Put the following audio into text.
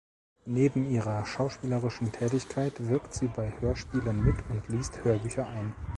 Neben ihrer schauspielerischen Tätigkeit wirkt sie bei Hörspielen mit und liest Hörbücher ein.